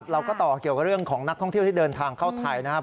ต่อเกี่ยวกับเรื่องของนักท่องเที่ยวที่เดินทางเข้าไทยนะครับ